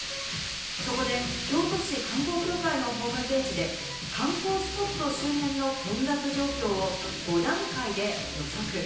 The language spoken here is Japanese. そこで京都市観光協会のホームページで、観光スポット周辺の混雑状況を５段階で予測。